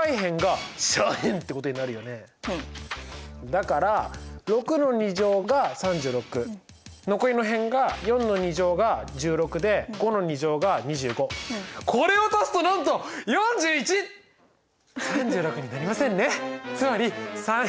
だから６の２乗が３６残りの辺が４の２乗が１６で５の２乗が２５これを足すとなんと４１３６になりませんね。